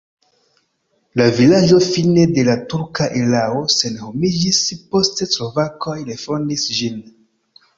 La vilaĝo fine de la turka erao senhomiĝis, poste slovakoj refondis ĝin.